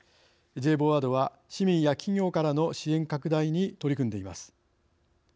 ＪＶＯＡＤは市民や企業からの支援拡大に取り組んでいます。